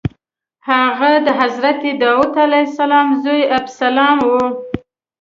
هغه د حضرت داود علیه السلام زوی ابسلام و.